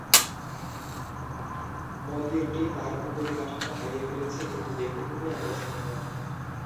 মন্দিরটি তার উপরিকাঠামো হারিয়ে ফেলেছে কিন্তু দেখতে খুবই আকর্ষণীয়।